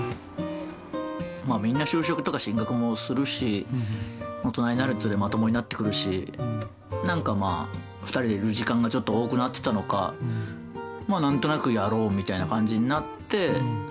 みんな就職とか進学もするし大人になるにつれ、まともになってくるしなんか２人でいる時間がちょっと多くなっていたのか何となくやろうみたいな感じになって。